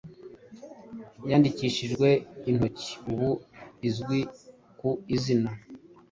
yandikishijwe intoki ubu izwi ku izina